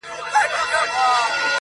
هغه ليونی سوی له پايکوبه وځي,